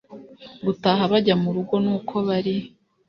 gutaha bajya murugo nuko bari